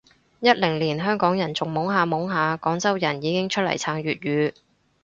一零年香港人仲懵下懵下，廣州人已經出嚟撐粵語